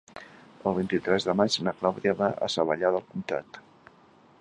El vint-i-tres de maig na Clàudia va a Savallà del Comtat.